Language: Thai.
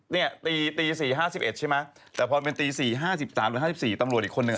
เนี่ยตี๔๕๑ใช่ไหมแต่พอเป็นตี๔๕๓หรือ๕๔ตำรวจอีกคนนึง